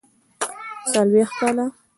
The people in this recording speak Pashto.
څلوېښت کاله.